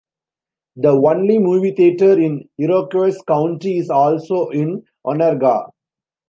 The only movie theater in Iroquois County is also in Onarga.